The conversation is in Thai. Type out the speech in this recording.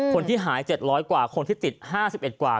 คนที่หาย๗๐๐กว่าคนที่ติด๕๑กว่า